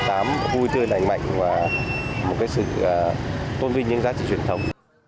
năm hai nghìn một mươi tám vui tươi nảnh mạnh và một sự tôn vinh những giá trị truyền thống